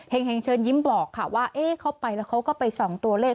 แห่งเชิญยิ้มบอกค่ะว่าเขาไปแล้วเขาก็ไปส่องตัวเลข